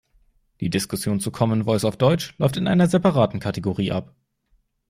Die Diskussion zu Common Voice auf Deutsch läuft in einer separaten Kategorie ab.